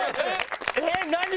えっ何？